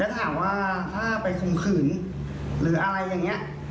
แล้วถามว่าถ้าไปคุมขืนหรืออะไรอย่างเงี้ย